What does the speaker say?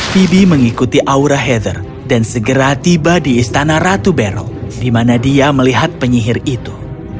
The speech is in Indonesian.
phibie mengikuti aura heather dan segera tiba di istana ratu bero di mana dia melihat penyihir itu